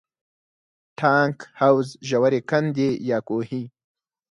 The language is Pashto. ټانک، حوض، ژورې کندې یا کوهي.